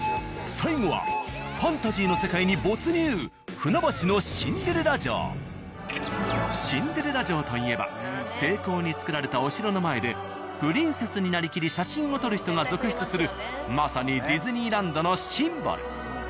最後はシンデレラ城といえば精巧に造られたお城の前でプリンセスになりきり写真を撮る人が続出するまさにディズニーランドのシンボル。